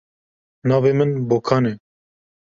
Navê min Bokan e.